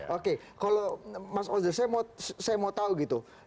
oke kalau mas ozo saya mau tahu gitu